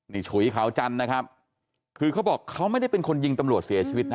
นี่ฉุยขาวจันทร์นะครับคือเขาบอกเขาไม่ได้เป็นคนยิงตำรวจเสียชีวิตนะ